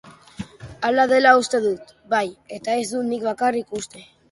Hala dela uste dut, bai, eta ez dut nik bakarrik uste.